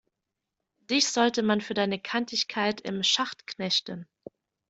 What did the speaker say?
Dich sollte man für deine Kantigkeit im Schacht knechten!